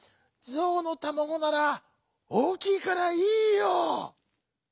ぞうのたまごならおおきいからいいよ」。